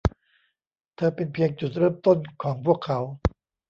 เธอเป็นเพียงจุดเริ่มต้นของพวกเขา